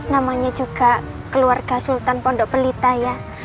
namanya juga keluarga sultan pondok pelita ya